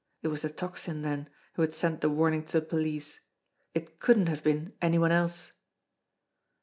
It was the Tocsin, then, who had sent the warning to the police. It couldn't have been any one else.